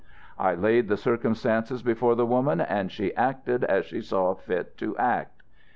I laid the circumstances before the woman and she acted as she saw fit to act.